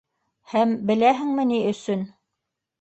Һәм беләһеңме ни өсөн?